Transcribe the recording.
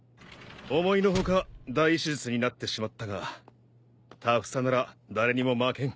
思いの外大手術になってしまったがタフさなら誰にも負けん。